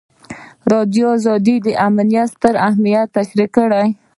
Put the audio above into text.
ازادي راډیو د امنیت ستر اهميت تشریح کړی.